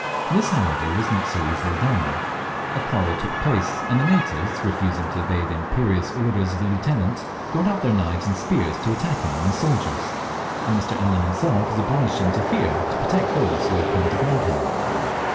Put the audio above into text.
This, however, was not so easily done. A quarrel took place, and the natives, refusing to obey the imperious orders of the lieutenant, got out their knives and spears to attack him and his soldiers; and Mr. Allen himself was obliged to interfere to protect those who had come to guard him.